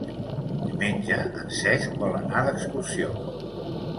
Diumenge en Cesc vol anar d'excursió.